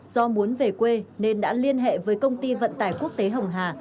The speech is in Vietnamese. do muốn về quê nên đã liên hệ với công ty vận tải quốc tế hồng hà